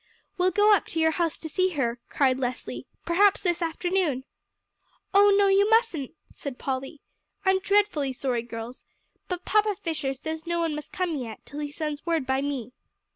"We'll go up to your house to see her," cried Leslie, "perhaps this afternoon." "Oh, no, you mustn't," said Polly. "I'm dreadfully sorry, girls, but Papa Fisher says no one must come yet, till he sends word by me."